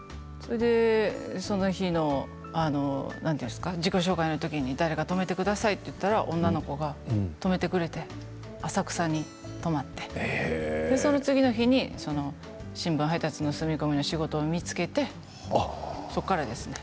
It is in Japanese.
その日の自己紹介のときに誰か泊めてくださいと言ったら女の子は泊めてくれて浅草に泊まってその次の日に新聞配達の住み込みの仕事を見つけてそこからですね。